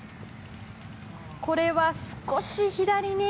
これは少し左に。